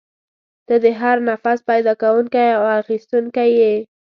ته د هر نفس پیدا کوونکی او اخیستونکی یې.